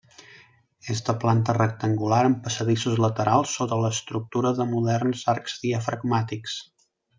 És de planta rectangular amb passadissos laterals sota l'estructura de moderns arcs diafragmàtics.